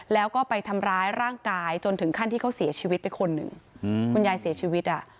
แล้วก็ไปทำร้ายร่างกายจนถึงขั้นที่เขาเสียชีวิตไปคนหนึ่งคุณยายเสียชีวิตอ่ะ